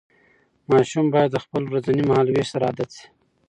ماشوم باید د خپل ورځني مهالوېش سره عادت شي.